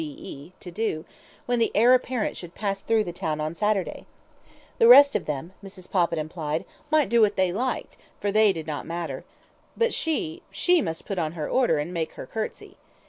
B.E.), to do, when the Heir Apparent should pass through the town on Saturday. The rest of them, Mrs. Poppit implied, might do what they liked, for they did not matter; but she she must put on her Order and make her curtsy.